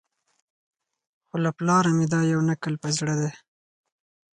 خو له پلاره مي دا یو نکل په زړه دی